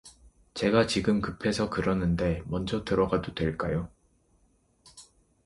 제가 지금 급해서 그러는데 먼저 들어가도 될까요?